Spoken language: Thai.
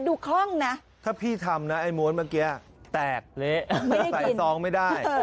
ดูคล่องนะถ้าพี่ทำนะไอ้โม้นเมื่อกี้แตกเละไม่ได้กินใส่ซองไม่ได้